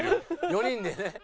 ４人でね。